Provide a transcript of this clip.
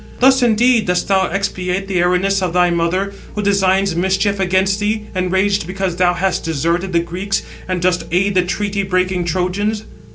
Thus indeed dost thou expiate the Erinnys of thy mother, who designs mischiefs against thee, enraged because thou hast deserted the Greeks, and dost aid the treaty breaking Trojans."